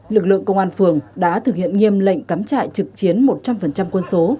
lực lượng công an phường đã thực hiện nghiêm lệnh cắm trại trực chiến một trăm linh quân số